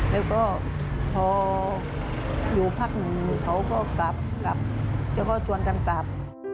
แล้วก็พออยู่พักหนึ่งเขาก็กลับเจ้าพ่อชวนกันกำจับ